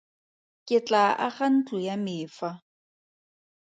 Ke tlaa aga ntlo ya me fa.